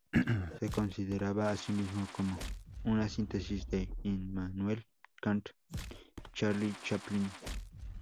Se consideraba a sí mismo como una síntesis de Immanuel Kant y Charlie Chaplin.